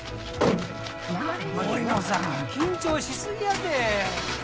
森野さん緊張しすぎやて。